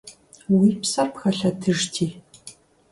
Уи псэр пхэлъэтыжти!